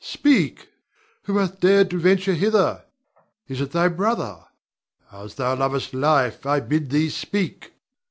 Speak! Who hath dared to venture hither? Is it thy brother? As thou lovest life, I bid thee speak.